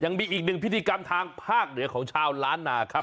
ยังมีอีกหนึ่งพิธีกรรมทางภาคเหนือของชาวล้านนาครับ